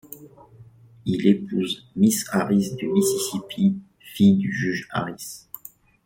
Il épouse Miss Harris du Mississippi, fille du Juge Harris.